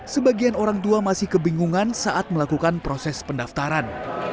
sebagian orang tua masih kebingungan saat melakukan proses pendaftaran